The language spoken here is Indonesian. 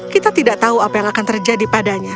kita tidak tahu apa yang akan terjadi padanya